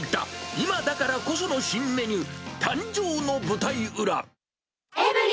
今だからこその新メニュー誕生の舞台裏。